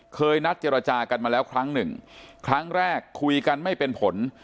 เคยนัดเจรจากันมาแล้วครั้งหนึ่งครั้งแรกคุยกันไม่เป็นผล